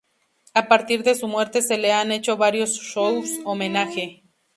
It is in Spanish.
A partir de su muerte se le han hecho varios shows homenaje.